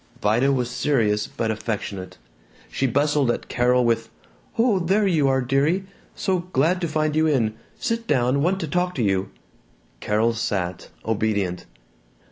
Vida was serious but affectionate. She bustled at Carol with, "Oh, there you are, dearie, so glad t' find you in, sit down, want to talk to you." Carol sat, obedient.